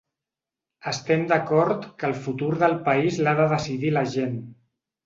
Estem d’acord que el futur de país l’ha de decidir la gent.